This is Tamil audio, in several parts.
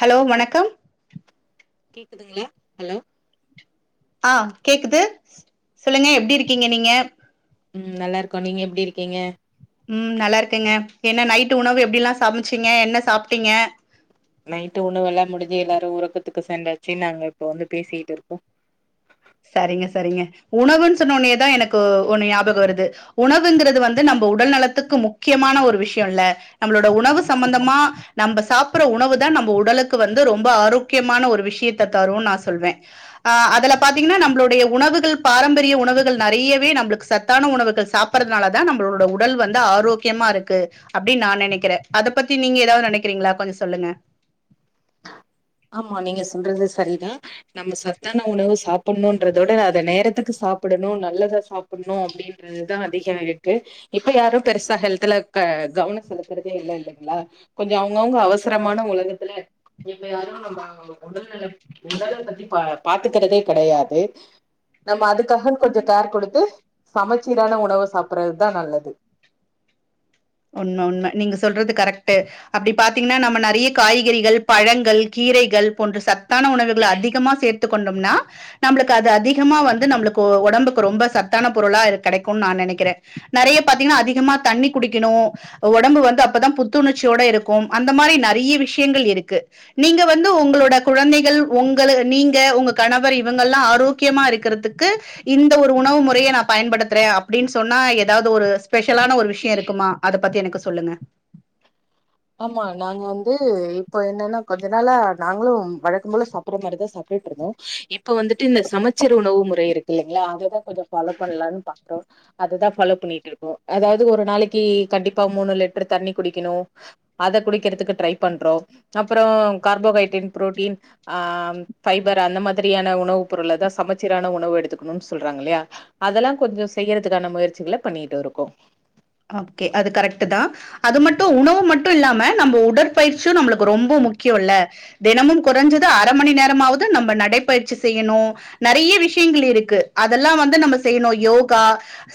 ஹலோ ஹல் வணக்கம் கேக்குதுங்களா ஹலோ ஆஹ கேக்குது சொல்லுங்க எப்படி இருக்கீங்க நீங்க உம் நல்லா இருக்கோ நீங்க எப்படி இருக்கீங்க உம் நல்லா இருக்குங்க என்ன நைட் உணவு எப்படி ஏல்லாம் சமைச்சீங்க என்ன சாப்பிட்டீங்க நைட்டு உணவேல்லாம் முடிஞ்சு எல்லாரும் உறக்கத்துக்கு செண்டாச்சு நாங்க இப்ப வந்து பேசிட்டு இருக்கோம் சரிங்க சரிங்க உணவுன்னு சொன்ன உடனேதான் எனக்கு ஒன்னு ஞாபகம் வருது உணவுங்கிறது வந்து நம்ம உடல் நலத்துக்கு முக்கியமான ஒரு விஷயம் இல்ல நம்மளோட உணவு சம்பந்தமா நம்ம சாப்ப புற உணவு தான் நம்ம உடலுக்கு வந்து ரொம்ப ஆரோக்கியமான ஒரு விஷயத்த தரும் நான் சொல்வேன் அஹன் அதல பாத்தீங்கன்னா நம்மளுடைய உணவுகள் பாரம்பரிய உணவுகள் நிறையவே நம்மளுக்கு சத்தான உணவுகள் சாப்பறதுனால தான் நம்மளோட உடல் வந்து ஆரோக்கியமா இருக்கு அப்படின்னு நான் நினைக்கிறேன் அத பத்தி நீங்க ஏதாவது நினைக்கிறீங்களா கொஞ்சம் சொல்லுங்க ஆமா நீங்க சொல்றது சரிதான் நம்ம சத்தான உணவு சாப்பிடணும்ன்றதோட அத நேரத்துக்கு சாப்பிடணும் நல்லதா சாப்பிடணும் அப்படின்றதுதான் அதிக இருக்கு இப்ப யாரும் பெருசா ஹெலத்துல க கவனம் செலுத்துறதே இல்ல இல்லைங்களா கொஞ்சம் அவங்கவுங்க அவசரமான உலகத்துல யாரும் நம்ம உடல் உடலை பத்தி பா பாத்துக்கிறதே கிடையாது நம்ம அதுக்காகன்ன கொஞ்சம் கேர் கொடுத்து சமைச்சீரான உணவு சாப்பறதுதான் நல்லது உண்ம உண்ம நீங்க சொல்றது கரெக்ட் அப்படி பாத்தீங்கன்னா நம்ம நிறைய காய்கறிகள் பழங்கள் கீரைகள் போன்ற சத் தான உணவுகள அதிகமா சேர்த்து கொண்டோம்ன நமளுக்கு அது அதிகமா வந்து நம்மளுக்கு உடம்புக்கு ரொம்ப சத்தான பொருளா கிடைக்கும் நான் நினைக்கிறேன் நிறைய பார்த்திகானா அதிகமா தண்ணி குடி காணோ உடம்பு வந்து அப்பதான் புத்துணர்ச்சியோட இருக்கும் அந்த மாரி நிறைய விஷயங்கள் இருக்கு நீங்க வந்து உங்களோட குழந்தைகள் உங்க நீங்க உங்க கணவர் இவங்கல்லாம் ஆரோக்கியமா இருக்கிறதுக்கு இந்த ஒரு உணவு முறையை நான் பயன்படுத்துறேன் அப்படனு சொன்ன ஏதாவது ஒரு ஸ்பெஷலான ஒரு விஷயம் இருக்கு இருக்குமா அத பத்தி எனக்கு சொல்லுங்க ஆமா நாங்க வந்து இப்போ என்னன்னா கொஞ்ச நாள நாங்களும் வழக்க போல சாப்படுற மாரிதான் சாப்பிட்டு இருந்தோம் இப்ப வந்துட்டு இந்த சமைச்சீர் உணவு முறை இருக்கு இல்லைங்களா அததான் கொஞ்சம் ஃபாலோ பண்ணலாம்னு பாக்குறோம் அததான் பஃபாலோ பண்ணிட்டு இருக்கோம் அதாவது ஒரு நாளைக்கு கண்டிப்பா மூணு லிட்டர் தண்ணி குடிக்கணும் அத குடிக்கிறதுக்கு ட்ரை பண்றோம் அப்புறம் கார்போஹைட்ரேட் ப்ரோட்டீன் ஆஹ் பஃபைபர் அந்த மாதிரியான உணவு பொருளதான் சமைச்சீரான உணவு எடுத்துக்கணும்னு சொல்றாங்க இல்லையா அதெல்லாம் கொஞ்சம் செய்யறதுக்கான முயற்சிகள பண்ணிட்டு இருக்கும் ஓகே அது கரெக்ட் தான் அது மட்டும் உணவு மட்டும் இல்லாம நம்ம உடற்பயிற்சியும் நம்மளுக்கு ரொம்ப முக்கியம்ல்ல தினமும் குறைஞ்சது அரை மணி நேரமாவது நம்ம நடைப்பயிற்சி செய்யணும் நிறைய விஷயங்கள் இருக்கு அதெல்லாம் வந்து நம்ம செய்யணும் யோகா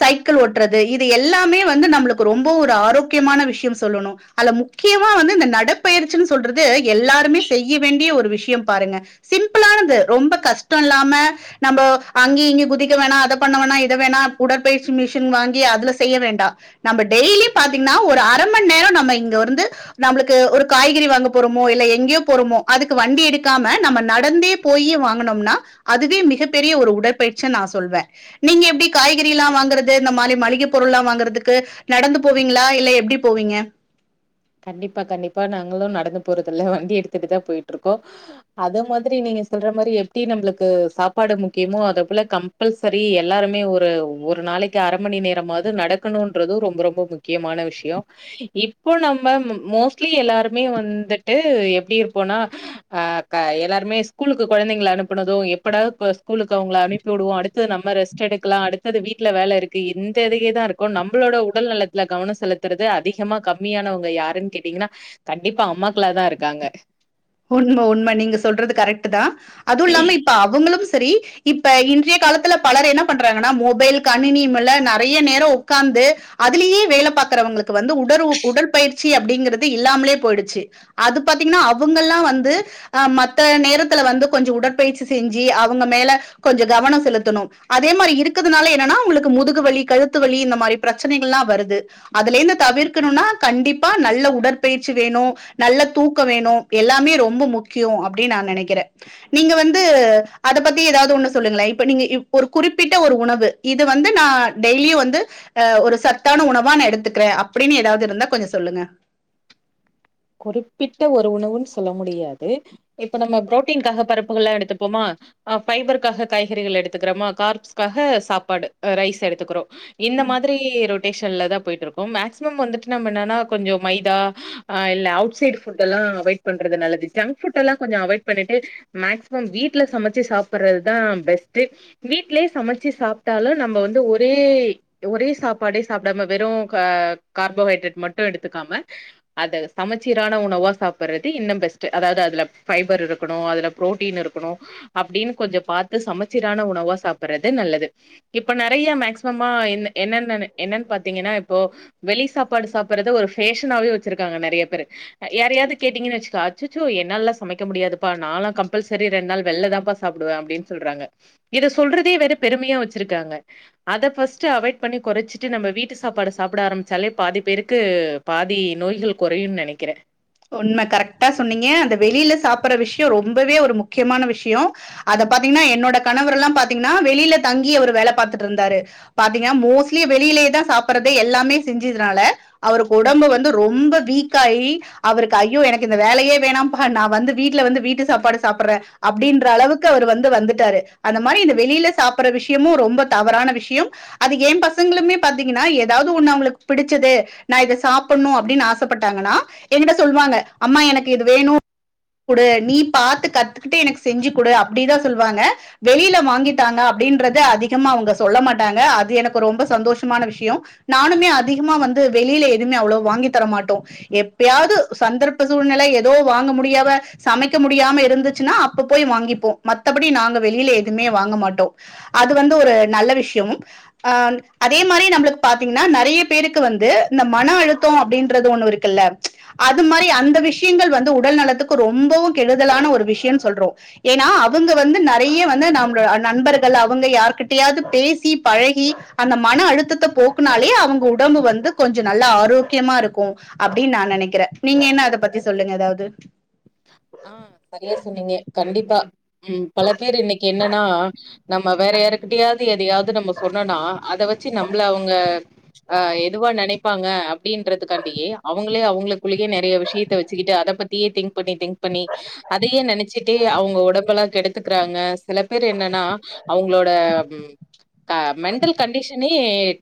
சைக்கிள் ஓட்டுறது இது எல்லாமே வ ந்து நம்மளுக்கு ரொம்ப ஒரு ஆரோக்கியமான விஷயம் சொல்லணும் அல்ல முக்கியமா வந்து இந்த நடபயிற்சு சொல்றது எல்லாருமே செய்ய வேண்டிய ஒரு விஷயம் பாருங்க சிம்பிளானது ரொம்ப கஷ்டம் இல்லாம நம்ம அங்க இங்க குதிக்க வேணாம் பண்ண வோணா உடற்பயிற்சி மிஷின் வாங்கி அதுல செய்ய வேண்டாம் நம்ம டெய்லி பாத்தீங்கன்னா ஒரு அரைமணி நேரம் நம்ம இங்க வந்து நம்மளுக்கு ஒரு காய்கறி வாங்க போறோமோ இல்ல எங்கேயோ போறோமோ அதுக்கு வண்டி எடுக்காம நம்ம நடந்தே போயே வாங்கனோம்னா அதுவே மிகப்பெரிய ஒரு உடற்பயிற்சி நான் சொல்ுவன் நீங்க எப்படி காய்கறி எல்லாம் வாங்குறது இந்த மாரி மளிக பொருள்ல்லாம் வாங்கறது க்கு நடந்து போவீங்களா இல்ல எப்படி போவீங்க கண்டிப்பா கண்டிப்பா நாங்களும் நடந்து போறது இல்ல வண்டி எடுத்துட்டு தான் போயிட்டு இருக்கோம் அதே மாதிரி நீங்க சொல்ற மாரி எப்படி நம்மளுக்கு சாப்பாடு முக்கியமோ அத போல கம்பல்சரி எல்லாருமே ஒரு ஒரு நாளைக்கு அரை மணி நேரமாவது நடக்கணும்ன்றது ரொம்ப ரொம்ப முக்கியமான விஷயம் இப்போ நம் ப மோஸ்லி எல்லாருமே வந்துட்டு எப்படி இருப்போம்னா ஹ கா எல்லாருமே ஸ்கூலுக்கு குழந்தைங்கல அனுப்பனதும் எப்படாவது ஸ்கூலுக்கு அவங்க அனுப்பி விடுவோம் அடுத்தது நம்ம ரெஸ்ட் எடுக்கலாம் அடுத்தது வீட்டுல வேல இருக்கு எந்த ளே தான் இருக்கும் நம்மளோட உடல் நலத்துல கவனம் செலுத்துறது அதிகமா கம்மியான யாருன்னு கேட்டீங்கன்னா கண்டிப்பா அம்மாக்களா தான் இருக்காங்க உண்ம உண்ம நீங்க சொல்றது கரெக்ட் தான் அதுவும் இல்லாம இப்ப அவங்களும் சரி இப்ப இன்றைய காலத்தில்லா பலர் என்ன பண்றாங்க மொபைல் கணினியும்ல நிறைய நேரம் உட்காந்து அதிலயே வேல பாக்குறவர்களுக்கு உ உட பயிற்சி அப்படிகிறது இல்லாமலே போயிடுச்சு அது பார்த்திகானா அவங்கல்லாம் வந்து அஹ் மத நேரத்துல வந்து கொஞ்சம் உடற்பயிற்சி செஞ்சு அவங்க மேல கொஞ்சம் கவனம் செலுத்தணும் அதே மாரி இருக்கிறதுனால என்னன்னா அவங்களுக்கு முதுகு வலி கழுத்து வலி இந்த மாரி பிரச்சனைகள்ல்லாம் வருது அதுல இருந்து தவிர்க்கணும்னா கண்டிப்பா நல்ல உடற்பயிற்சி வேணும் நல்ல தூக்கம் வேணும் எல்லாமே ரொம்ப முக்கியம் அப்படின்னு நான் நினைக்கிறேன் நீங்க வந்து அத பத்தி ஏதாவது ஒண்ணு சொல்லுங்களேன் இப்ப நீங்க ஒரு குறிப்பிட்ட ஒரு உணவு இது வந்து நான் டெய்லியும் வந்து அஹ் ஒரு சத்தான உணவா நான் எடுத்துக்கிறேன் அப்படின்னு ஏதாவது இருந்தா கொஞ்சம் சொல்லுங்க குறிப்பிட்ட ஒரு உணவுன்னு சொல்ல முடியாது இப்ப நம்ம ப்ரோட்டீன்காக பருப்புகள் எல்லாம் எடுத்துப்போமா அஹ் ப்பைபர்கக்காக காய்கறிகள் எடுத்துக்கிறோமா கார்பஸ்காக சாப்பாடு ரைஸ் எடுத்துக்கிறோம் ம். இந்த மாதிரி ரொட் மேஷன்ல தான் போயிட்டு இருக்கோம் மேக்சிமம் வந்துட்டு நம்ம என்னன்னா கொஞ்சம் மைதா ஆஹ் இல்ல அவுட்சைட் ஃபுட் எல்லாம் அவாய்ட் பண்றது நல்லது ஜங்க் ஃபுட் எல்லாம் கொஞ்சம் அவாய்ட் பண்ணிட்டு மேக்சிமம் வீட்டுல சமைச்சு சாப்பிடுறதுதான் பெஸ்ட் வீட்லேயே சமைச்சு சாப்பிட்டாலும் நம்ம வந்து ஒரே ஒரே சாப்பாடே சாப்பிடாம வெறும் கார்போஹைட்ரேட் மட்டும் எடுத்துக்காம அத சமைச்சீரான உணவா சாப்படுறது இன்னும் பெஸ்ட்ட் அதாவது அதுல ஃபைர் இருக்கணும் அதுல ப்ரோட்டீன் இருக்கணும் அப்படின்னு கொஞ்சம் பார்த்து சமைச்சீரான உணவா சாப்பிடுறது நல்லது இப்ப நிறைய மேக்சிமமா என் என்னன்ன என்னன்னு பாத்தீங்கன்னா இப்போ வெளி சாப்பாடு சாப்பிடுறது ஒரு ஃபேஷனாவவே வெச்சி இருக்கிங்க நறிய பேரு யாரைவாது கேட்டீங்கன்னு அச்சோ என்னாலல சமைக்க முடியாதுபா நாளா கம்பள்சரி ரெண்டு நாள் வெல்லதான்பா சாப்பிடுவான் அப்பனு சொல்றாங்க இத சொல்றதேற பெருமையா வெச்சியிருக்கிங்க அத ஃபர்ஸ்ட் அவாய்ட் பன்னி குறைச்சட்டு நம்ம வீட்டு சாப்பாடு சாப்பிட ஆரம்பிச்சாலே பாதி பேருக்கு பாதி நோய்கள் குறையும்னு நினைக்கிறேன் உண்மை கரெக்டா சொன்னீங்க அந்த வெளியில சாப்பிற விஷயம் ரொம்பவே ஒரு முக்கியமான விஷயம் அத பாத்தீங்கன்னா என்னோட கணவர் எல்லாம் பாத்தீங்கன்னா வெளியில தங்கி அவர் வேல பார்த்துட்டு இருந்தாரு பாத்தீங்கன்னா மோஸ்ட்லி வெளியிலேயேதான் சாப்பிறதே எல்லாமே செஞ்சதுனாலா அவரு உடம்பு வந்து ரொம்ப வீக் கை அவருக்கு ஐயோ எனக்கு இந்த வேலையே வேணாம் பா நான் வந்து வீட்டுல வந்து வீட்டு சாப்பாடு சாப்பிடுறேன் அப்படின்ற அளவுக்கு அவரு வந்து வந்துட்டாரு அந்த மாரி இந்த வெளியில சாப்படுற விஷயமும் ரொம்ப தவறான விஷயம் அது என் பசங்களுமே பாத்தீங்கன்னா ஏதாவது ஒண்ணு அவங்களுக்கு பிடிச்சது நான் இத சாப்புணும் அப்படின்னு ஆசப்பட்டாங்கன்னா என்கிட்ட சொல்லுவாங்க அம்மா எனக்கு இது வேணும் குடு நீ பார்த்து கத்துக்கிட்டு எனக்கு செஞ்சு கொடு அப்படிதான் சொல்லுவாங்க வெளியில வாங்கிதக்கா அப்படின்றத அதிகமா அவங்க சொல்ல மாட்டாங்க அது எனக்கு ரொம்ப சந்தோஷமான விஷயம் நானுமே அதிகமா வந்து வெளியில எதுவுமே அவ்வளவா வாங்கி தர மாட்டோம் தியாவது ஏப்பயாவது சந்தர்ப்ப சூழ்நிலை ஏதோ வாங்க முடியாம சமைக்க முடியாம இருந்துச்சுன்னா அப்ப போய் வாங்கிப்போம் மத்தபடி நாங்க வெளியில எதுவுமே வாங்க மாட்டோ அது வந்து ஒரு நல்ல விஷயமும் அஹ அதே மாதிரி நம்மளுக்கு பாத்தீங்கன்னா நிறைய பேருக்கு வந்து இந்த மன அழுத்தோ அப்படின்றது ஒண்ணு இருக்குல்ல. ம்ச் அது மாரி அந்த விஷயங்கள் வந்து உடல் நலத்துக்கு ரொம்பவும் கெடுதலான ஒரு விஷயம்னு சொல்றோ. ஏன்னா அவங்க வந்து நறைய வந்து நம்ம நண்பர்கள் அவங்க யாருகிட்டயாவது பேசி பழகி அந்த மன அழுத்தத்த போக்குனாலே அவங்க உடம்பு வந்து கொஞ்சோ நல்லா ஆரோக்கியமா இருக்கு அப்படின்னு நா. நனைக்குற நீங்க என்ன அத பத்தி சொல்லுங்க ஏதாவது. ஆஹ சரியா சொன்னீங்க கண்டிப்பா. உம் பல பேர் இன்னைக்கு என்னன்னா. நம்ம வேற யாருக்கிட்டயாவது எதையாவது நம்ம சொன்னோனா அத வச்சு நம்மள அவங்க ஆஹ எதுவா நினைப்பாங்க அப்படின்றதுக்காண்டியே அவங்களே அவங்களுக்குள்ளேயேநிறைய விஷயத்த வச்சுக்கிட்டு அத பத்தியே திங்க். திங்க் பண்ணி திங். திங்க் பண்ணி அதையே நினைச்சுட்டு அவங்க உடம்பெல்லா. கேடுத்துக்கிறாங்க சில பேர் என்னன்னா அவங்களோட மென்டல் கண்டிஷன்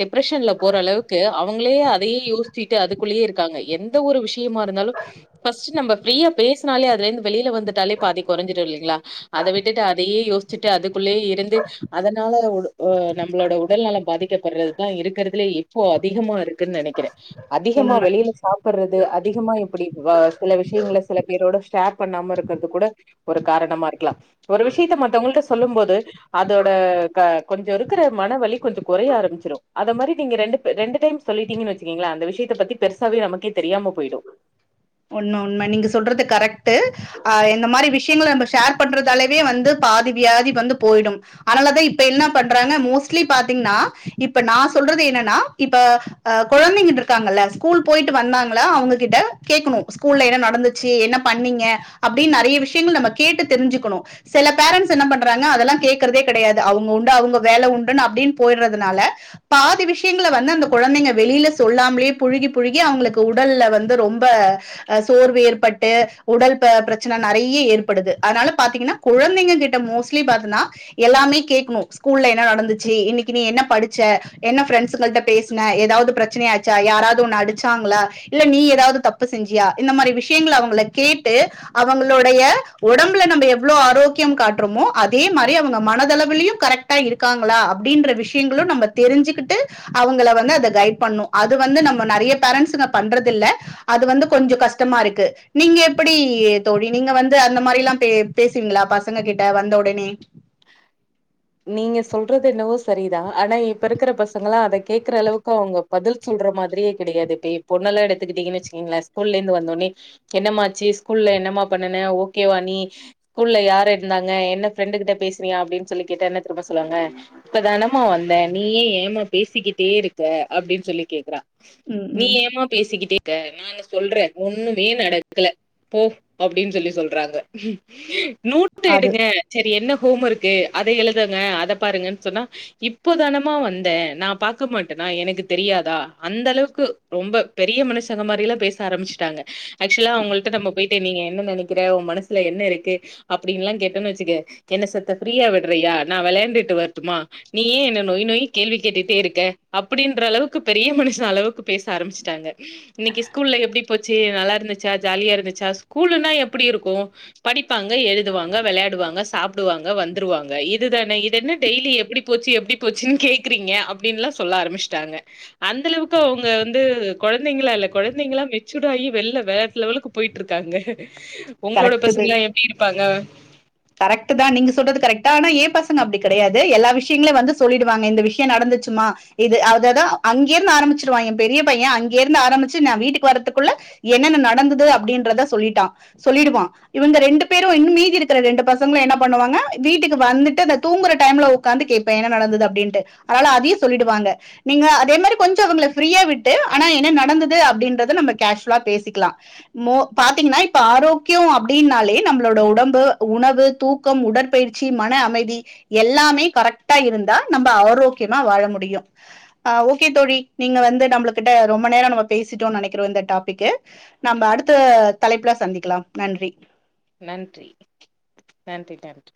டிப்ரேஷன்ல போற அளவுக்கு அவங்களே அதையே யோசிச்சுடு அதுக்குள்ளியே இருக்காங்க எந்த ஒரு விஷ். முக்கியமா இருந்தாலும் பர்ஸ்ட் நம்ம. பிரியப். பேசினாலே அதுல இருந்து வெளியில வந்துட்டாலே பாதி குறைஞ்சிடு இல்லைங்களா. அத விட்டுட்டு அதையே யோசிச்சுட்டு அதுக்குள்ளயே இருந்து அதனால நம்மளோட உடல் நலம் பாதிக்கப்படுறதுதா இருக்குறதுலயே இப்போ அதிகமா இருக். இருக்கு நனைக்குற. அதிகமா உண்மை வெளியில சாப்பிடுறது அதிகமா இப்படி சில விஷயங்கள. சில பேரோட ஷேர் பண்ணாம இருக்குறது கூட. ஒரு காரணமா இருக்கலா. ஒரு விஷயத்த மத்தவங்கள் கிட்ட. சொல்லும் போது. அதோட க. கொஞ்சோ இருக்கிற மன வலி கொஞ்சோ குறைய ஆரம்பிச்சிடும். அத மாதிரி நீ ரெண்டு ரெண்டு டைம் சொல்லிட்டீங்கன்னு வச்சுக்கீங்களா அந்த விஷயத்த பத்தி பெருசாவே நமக்கே தெரியாம போயிடு. ஒன்னு உண்ம நீங்க சொல்றது கரெக்ட்டு. அஹ இந்த மாரி விஷயங்கள நம்ம ஷேர் பண்றதாலவே வந்து பாதி வியாதி வந்து போயிடும். அதனாலதா இப்ப என்ன பண்றாங்க மோஸ்ட்லி பாத்தீங்கன்னா இப்ப நான் சொல்றது என்னன்னா இப்ப அஹ குழந்தைங்க இருக்காங்கல்ல ஸ்கூல் போயிட்டு வந்தாங்கள அவங்ககிட்ட. கேக்கணும் ஸ்கூல்ல என்ன நடந்துச்சு என்ன பண்ணீங்க அப்படின்னு நறைய விஷயங்கள் நம்ம கேட்டு தெரிஞ்சுக்கணும். சில பேரண்ட்ஸ் என்ன பண்றாங்க அதெல்லாம் கேக்குறதே கிடையாது அவங்க உண்டு அவங்க வேல உண்டுன்னு அப்படின்னு போயிறதுனால பாதி விஷயங்கள வந்து அந்த குழந்தைங்க வெளியில சொல்லாமலயே புழுகி புழுகி அவங்களுக்கு உடல்ல வந்து ரொம். ரொம்ப சோர்வு ஏற்பட்டு உடல் பிரச்சன நறைய ஏற்படுது அதனால பாத்தீங்கன்னா குழந்தைங்க கிட்ட மோஸ்ட்லி எல்லாமே கேக்கணும். ஸ்கூல்ல என்ன நடந்துச்சு இன்னிக்கு நீ என்ன படிச்ச என்ன ஃப்ரெண்ட்ஸ் கிட்ட பேசன ஏதாவது பிரச்சனாச்சா யாராவது உண்ண அடிச்சாங்களா இல்ல நீ ஏதாவது தப். தப்பு செஞ்சியா இந்த மாரி விஷயங்கள அவங்கள கேட்டு அவங்களுடைய உடம்புல நம்ம எவ்வளவு ஆரோக்கியம் காட்டுறோமோ அதே மாரி அவங்க மனதளவுலையும் கரெக்ட்டா இருக்காங்களா அப்படின்ற விஷயங்களும் நம்ம தெரிஞ்சுக்கிட்டு அவங்கள வந்து அத கைட் பண்ணும் அது வந்து நம்ம நறைய பேரண்ஸ்ங்க பண்றத இல்ல. அது வந்து கொஞ்சம் கஷ்டமா இருக்கு நீங்க எப்படி தோழி நீங்க வந்து அந்த மாரி எல்லாம் பே பேசுவீங்களா பசங்க கிட்ட வந்த உடனே. நீங்க சொல்றது என்னவோ சரிதா ஆனா இப்ப இருக்கிற பசங்க எல்லாம் அத கேக்குற அளவுக்கு அவங்க பதில் சொல்ற மாதிரியே கிடையாது இப்ப எ பொண்ண எல்லா எடுத்துக்கிட்டீங்கன்னு வச்சக்கீங்களன் ஸ்கூல்ல இருந்து வந்தோடனே என்னமாச்சு ஸ்கூல்ல என்னமா பண்ணன ஓகேவா நீ. ஸ்கூல்ல யார் இருந்தாங்க என்ன ஃப்ரெண்டு கிட்ட பேசினியா அப்படின்னு சொல்லி. கேட்ட என்ன தெரியுமா சொல்லுவாங்க இப்பதானமா வந்த நீயே ஏமா பேசிக்கிட்டே இருக்க அப்படின்னு சொல்லி கேக்குறா. ம் நீ ம் ஏமா பேசிக்கிட்டே. க நானு சொல்ற ஒண்ணுமே நடக்கல போ அப்படின்னு சொல்லி சொல்றாங்க. நூட்டு அது எடுக்கற சேரி என்ன. ஹோம்வர்க்கு. அத எழுதுங்க அத பாருங்கன்னு சொன்னா இப்போதானமா வந்த நா பாக்க மாட்டேன்னா எனக்கு தெரியாதா அந்த அளவுக்கு ரொம்ப பெரிய மனுஷங்க மாரி எல்லா பேச ஆரம்பிச்சுட்டாங்க. ஸ்பெஷலா அவன் கிட்ட நம்ம போய். நீங்க என்ன நினைக்கிற உ மனசுல என்ன இருக்கு அப்படின்ல்லா கேட்டன்னு வச்சுக்க என்ன சத்த பிரீயா விடு. விடுறியா நா விளையாண்டுட்டு வரட்டுமா நீயே என்ன நொய் நொய் கேள்வி கேட்டுட்டே இருக்க அப்படின்ற அளவுக்கு பெரிய மனுஷங்க அளவுக்கு பேச ஆரம்பிச்சிட்டாங்க. இன்னிக்கு ஸ்கூல்ல எப்படி. போச்சு நல்லா இருந்துச்சா ஜாலியா இருந்துச்சா ஸ்கூலுன்னா எப்படி இருக்கு. படிப்பாங்க எழுதுவாங்க விளையாடுவாங்க சாப்பிடுவாங்க வந்துருவாங்க. இதுதானே இது என்ன டெய்லி எப்படி போச்சு எப்படி போச்சுன்னு கேக்குறீங்க அப்படின்னுல்லா சொல்ல ஆரம்பச்சுிட்டாங்க அந்த அளவுக்கு அவங்க வந்து குழந்தைங்களா இல்ல குழந்தைங்களாம் மெச்டு ஆகி வெள்ள வேறலெவலுக்கு போயிட்டு இருக்காங்க. உங்களோட கரெக்ட் பசங்க எல்லாம் எப்படி இருப்பாங்க. கரெக்ட் தான் நீங்க சொல்றது கரெக்டா ஆனா ஏன் பசங்க அப்டி கெடையாது எல்லா விஷயங்களையும் வந்து சொல்லிடுவாங்க இந்த விஷயம் நடந்துச்சுமா இது அததான் அங்கருந்து ஆரம்பிச்சிருவான் என் பெரிய பையன் அங்க இருந்து ஆரம்பிச்சு நான் வீட்டுக்கு வரதுக்குள்ள என்னென்ன நடந்தது அப்படின்றத சொல்லிட்டான் சொல்லிருவான் இவங்க ரெண்டு பேரும் இன்னமீதி இருக்கு ரெண்டு பசங்களும் என்ன பண்ணுவாங்க வீட்டுக்கு வந்துட்டு தூங்குற டைம்ல உக்கர்ந்து கேப்ப என்ன நடந்தது அப்படின்டுஅதனால அதையும் சொல்லிடுவாங்க நீங்க அதே மாதிரி கொஞ்சம் அவீங்கல பிரியா விட்டு ஆனா என்ன நடந்தது அப்டின்றத நாம்மா கேசுலா பேசிக்கலாம் மோ பாத்தீங்கன்னா இப்ப ஆரோக்கியம் அப்படின்னாலே நம்மளோட உடம்பு உணவு தூக்கம் உடற்பயிற்சி மன அமைதி எல்லாமே கரெக்டா இருந்தா நம்ப ஆரோக்கியமா வாழ முடியும் ஆஹ் ஓகே தோழி நீங்க வந்து நம்ம கிட்ட ரொம்ப நேரம் நம்ம பேசிட்டோம்னு நெனைக்கிறோம் இந்த டாபிக்கு நம்ம அடுத்த தலைப்புல சந்திக்கலாம் நன்றி நன்றி நன்றி நன்றி